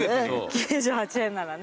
９８円ならね。